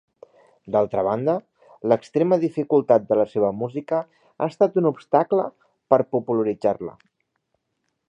D'altra banda, l'extrema dificultat de la seva música ha estat un obstacle per popularitzar-la.